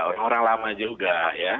orang orang lama juga ya